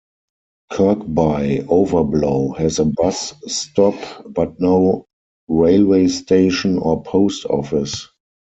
Kirkby Overblow has a bus stop, but no railway station or post office.